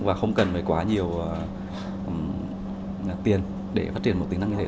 và không cần quá nhiều tiền để phát triển một tính năng như thế